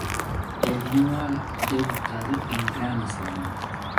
Él no ha debutado en Grand Slam.